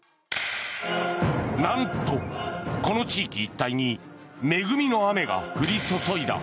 なんと、この地域一帯に恵みの雨が降り注いだ。